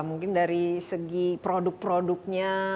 mungkin dari segi produk produknya